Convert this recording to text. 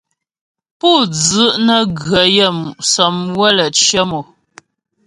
Pú dzu' nə́ gə yaə́mu' sɔmywə lə́ cyə mò.